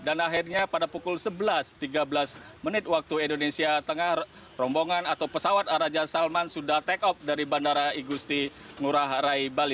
dan akhirnya pada pukul sebelas tiga belas menit waktu indonesia tengah rombongan atau pesawat raja salman sudah take off dari bandara ikusti ngurah rai bali